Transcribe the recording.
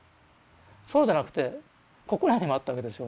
そうじゃなくてここらにもあったわけですよ